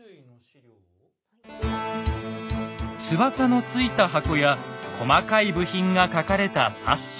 翼のついた箱や細かい部品が描かれた冊子。